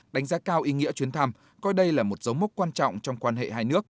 đánh giá cao ý nghĩa chuyến thăm coi đây là một dấu mốc quan trọng trong quan hệ hai nước